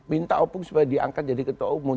minta opung supaya diangkat jadi ketua umum